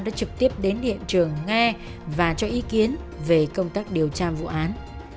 đã trực tiếp đến hiện trường nghe và cho ý kiến về công tác điều tra vụ án